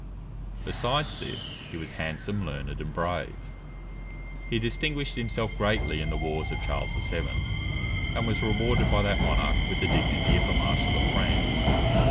Besides this, he was handsome, learned, and brave. He distinguished himself greatly in the wars of Charles VII., and was rewarded by that monarch with the dignity of a marshal of France.